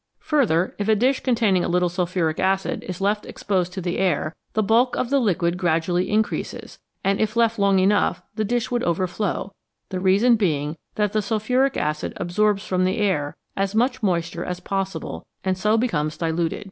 Further, if a dish containing a little sulphuric acid is left exposed to the air, the bulk of the liquid gradually increases, and if left long enough the dish would overflow, the reason being that the sulphuric acid absorbs from the air as much moisture as possible, and so becomes diluted.